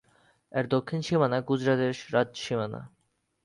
এর দক্ষিণ সীমানা গুজরাটের রাজ্য সীমানা।